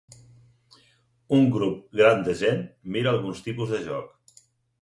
Un grup gran de gent mira algun tipus de joc.